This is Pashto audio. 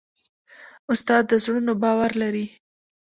استاد د زړونو باور لري.